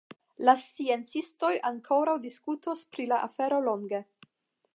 La sciencistoj ankoraŭ diskutos pri la afero longe.